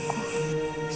aku tidak bisa menemanimu